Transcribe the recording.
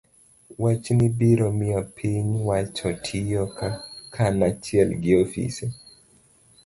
Wachni biro miyo piny owacho tiyo kanachiel gi ofise